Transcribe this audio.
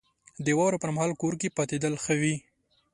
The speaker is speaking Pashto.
• د واورې پر مهال کور کې پاتېدل ښه وي.